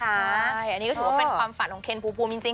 ใช่อันนี้ก็ถือว่าเป็นความฝันของเคนภูมิจริง